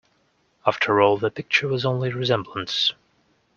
After all, the picture was only a resemblance.